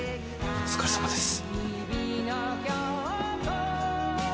お疲れさまです。